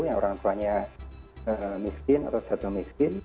yang orang tuanya miskin atau jatuh miskin